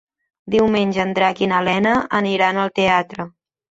Diumenge en Drac i na Lena aniran al teatre.